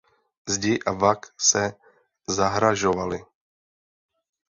Zdi a vak se zahražovaly.